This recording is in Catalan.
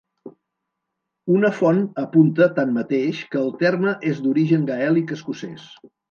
Una font apunta, tanmateix, que el terme és d'origen gaèlic escocès.